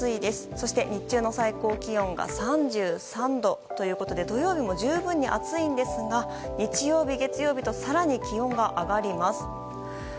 そして日中の最高気温が３３度ということで土曜日も十分に暑いんですが日曜日と月曜日と更に気温が上がります。